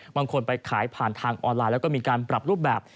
ไปขายผ่านทางออนไลน์แล้วก็มีการปรับรูปแบบ